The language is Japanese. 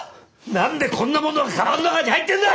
何でこんなものがカバンの中に入ってんだ！